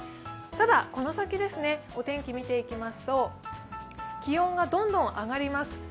ただこの先、お天気みていきますと気温がどんどん上がります。